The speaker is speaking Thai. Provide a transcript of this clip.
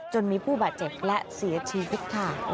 จนมีผู้บาดเจ็บและเสียชีวิตค่ะ